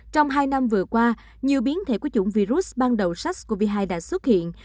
trong hai năm vừa qua nhiều biến thể của chủng virus ban đầu sars cov hai đã xuất hiện